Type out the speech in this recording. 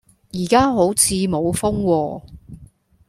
而家好似冇風喎